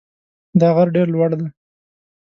دا غر ډېر لوړ دی.